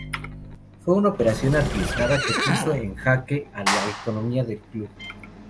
Fue una operación arriesgada que puso en jaque a la economía del club.